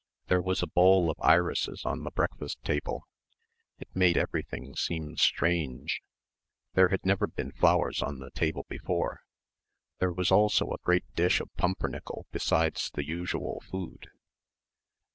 There was a bowl of irises on the breakfast table it made everything seem strange. There had never been flowers on the table before. There was also a great dish of pumpernickel besides the usual food.